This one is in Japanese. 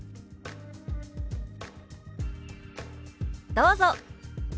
どうぞ！